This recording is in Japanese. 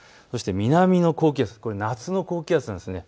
南の高気圧、夏の高気圧なんです。